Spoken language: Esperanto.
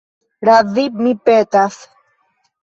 Razi, mi petas.